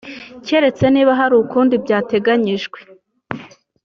keretse niba hari ukundi byateganyijwe